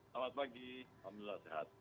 selamat pagi alhamdulillah sehat